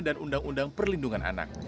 dan undang undang perlindungan anak